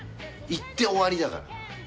行って終わりだから。